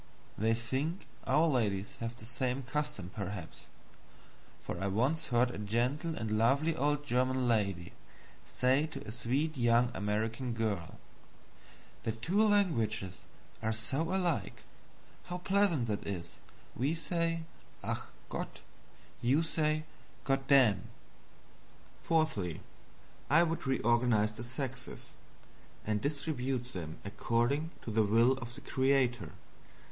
They think our ladies have the same custom, perhaps; for I once heard a gentle and lovely old German lady say to a sweet young American girl: "The two languages are so alike how pleasant that is; we say 'Ach! Gott!' you say 'Goddamn.'" Fourthly, I would reorganizes the sexes, and distribute them accordingly to the will of the creator.